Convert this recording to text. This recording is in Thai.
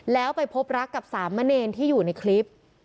แล้วไปพบรักกับสามเณรที่อยู่ในคลิป